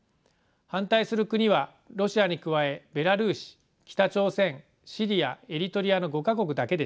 反対する国はロシアに加えベラルーシ北朝鮮シリアエリトリアの５か国だけでした。